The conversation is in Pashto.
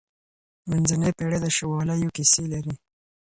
منځنۍ پېړۍ د شواليو کيسې لري.